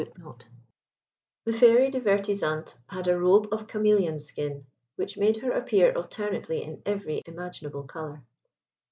The Fairy Divertisante had a robe of cameleon's skin, which made her appear alternately in every imaginable colour.